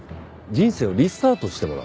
人生をリスタートしてもらう。